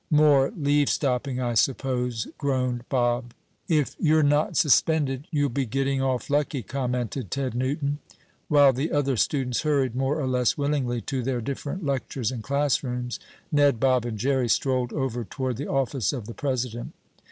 "More leave stopping, I suppose," groaned Bob. "If you're not suspended, you'll be getting off lucky," commented Ted Newton. While the other students hurried, more or less willingly, to their different lectures and classrooms, Ned, Bob and Jerry strolled over toward the office of the president.